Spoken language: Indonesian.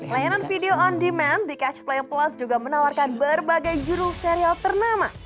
layanan video on demand di catch play plus juga menawarkan berbagai judul serial ternama